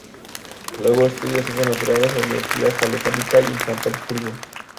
Luego, estudia Ciencias naturales en la Universidad Jagellónica, y en San Petersburgo.